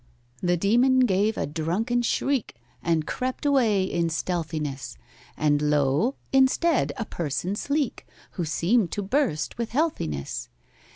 The demon gave a drunken shriek, And crept away in stealthiness, And lo! instead, a person sleek, Who seemed to burst with healthiness.